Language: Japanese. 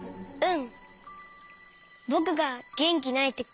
うん。